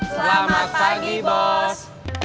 selamat pagi bos